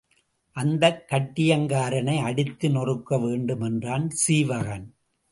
அந்தக் கட்டியங்காரனை அடித்து நொறுக்க வேண்டும் என்றான் சீவகன்.